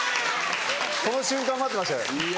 この瞬間待ってました。